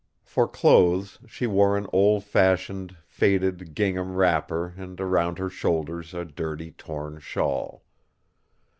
For clothes she wore an old fashioned faded gingham wrapper and around her shoulders a dirty torn shawl.